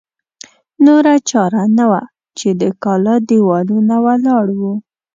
نوره چاره نه وه چې د کاله دېوالونه ولاړ وو.